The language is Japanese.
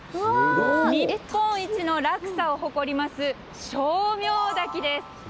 日本一の落差を誇ります称名滝です。